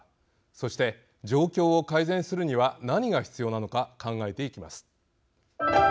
そして、状況を改善するには何が必要なのか考えていきます。